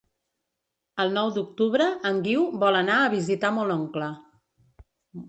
El nou d'octubre en Guiu vol anar a visitar mon oncle.